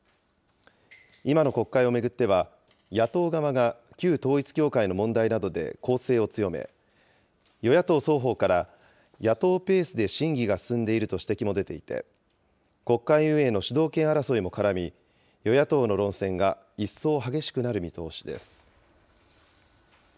今の国会を巡っては、野党側が、旧統一教会の問題などで攻勢を強め、与野党双方から野党ペースで審議が進んでいると指摘も出ていて、国会運営の主導権争いも絡み、与野党の論戦が一層激しくなる見通しです。